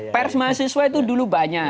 pers mahasiswa itu dulu banyak